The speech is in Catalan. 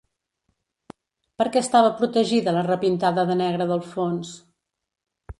Per què estava protegida la repintada de negre del fons?